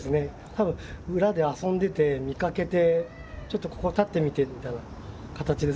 多分裏で遊んでて見かけてちょっとここ立ってみてみたいな形で。